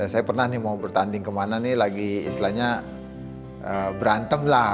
saya pernah nih mau bertanding kemana nih lagi istilahnya berantem lah